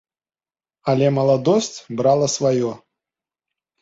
Але маладосць брала сваё.